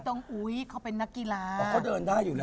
ไม่ต้องเขาเป็นนักกีฬาเขาเดินได้อยู่แล้ว